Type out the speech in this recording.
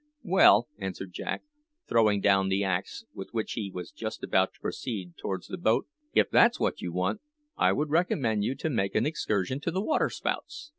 "Well," answered Jack, throwing down the axe with which he was just about to proceed towards the boat, "if that's what you want, I would recommend you to make an excursion to the waterspouts.